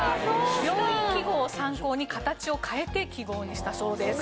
病院記号を参考に形を変えて記号にしたそうです。